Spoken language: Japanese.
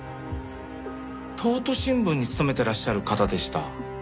東都新聞に勤めてらっしゃる方でした。